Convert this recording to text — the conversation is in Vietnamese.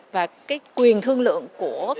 và cái quyền thương lượng của